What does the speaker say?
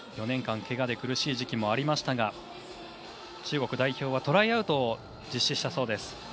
４年間けがで苦しい時期もありましたが中国代表はトライアウトを実施したそうです。